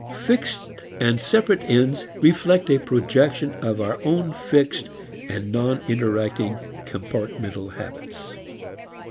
Fixed and separate ends reflect a projection of our own fixed and non interacting compartmental habits.